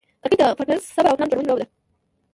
کرکټ د فټنس، صبر، او پلان جوړوني لوبه ده.